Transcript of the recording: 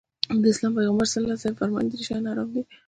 د اسلام پيغمبر ص وفرمايل درې شيان حرام دي.